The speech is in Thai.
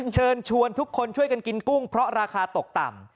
เชิญชวนทุกคนช่วยกันกินกุ้งเพราะราคาตกต่ำ